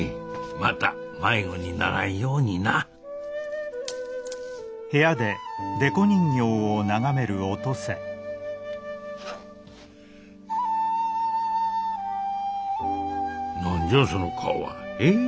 また迷子にならんようにな何じゃその顔はえっ？